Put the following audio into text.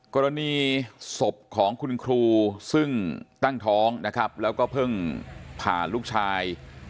กรณีศพของคุณครูซึ่งตั้งท้องนะครับแล้วก็เพิ่งผ่านลูกชาย